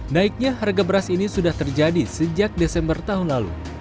naiknya harga beras ini sudah terjadi sejak desember tahun lalu